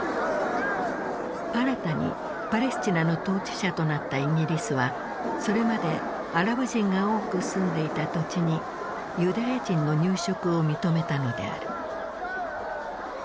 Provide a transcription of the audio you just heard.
新たにパレスチナの統治者となったイギリスはそれまでアラブ人が多く住んでいた土地にユダヤ人の入植を認めたのである。